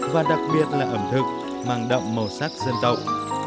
và đặc biệt là ẩm thực mang đậm màu sắc dân tộc